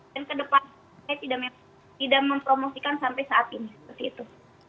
dan kedepannya tidak mempromosikan sampai saat ini